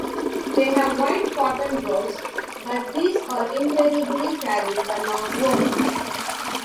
They have white cotton gloves, but these are invariably carried and not worn.